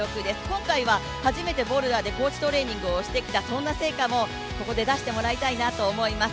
今回は初めてコーチトレーニングをしてきたそんな成果もここで出してもらいなと思います。